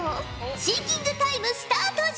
シンキングタイムスタートじゃ！